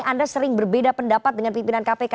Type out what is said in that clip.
anda sering berbeda pendapat dengan pimpinan kpk